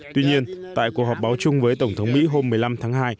tuy nhiên tại cuộc họp báo chung với tổng thống mỹ hôm một mươi năm tháng hai